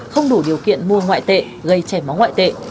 không đủ điều kiện mua ngoại tệ gây chảy máu ngoại tệ